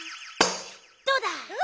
どうだ？